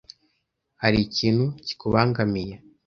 Hari ikintu kikubangamiye, ?